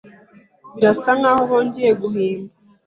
Birasa nkaho bongeye guhimba.